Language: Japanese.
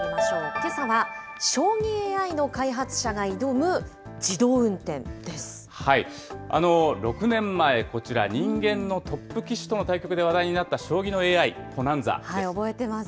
けさは、将棋ＡＩの開発者が挑む６年前、こちら、人間のトップ棋士との対局で話題になった将棋のＡＩ、Ｐｏｎａｎｚａ。